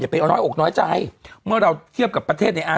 พี่เจี๊ยบติดน้ำ